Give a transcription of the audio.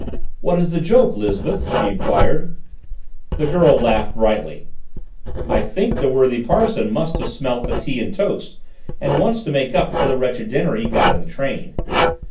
"What is the joke, Lisbeth?" she enquired. The girl laughed brightly. "I think the worthy parson must have smelt the tea and toast, and wants to make up for the wretched dinner he got in the train."